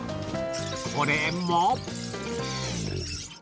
これも。